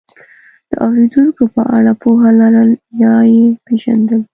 د اورېدونکو په اړه پوهه لرل یا یې پېژندل،